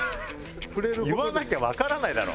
言わなきゃわからないだろ。